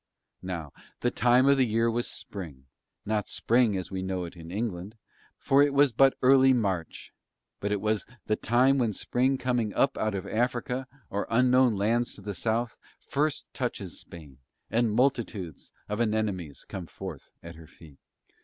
Now the time of the year was Spring, not Spring as we know it in England, for it was but early March, but it was the time when Spring coming up out of Africa, or unknown lands to the south, first touches Spain, and multitudes of anemones come forth at her feet.